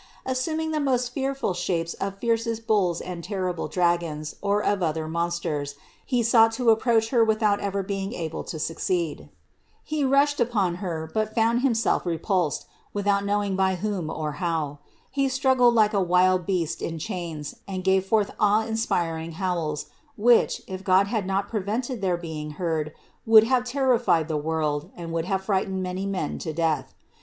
Assuming the most fearful shapes of fiercest bulls and terrible dragons or of other monsters, he sought to ap proach Her without ever being able to succeed. He rushed upon Her, but found himself repulsed, without knowing by whom or how. He struggled like a wild beast in chains and gave forth awe inspiring howls, which, if God had not prevented their being heard, would have terrified the world and would have frightened many men to death.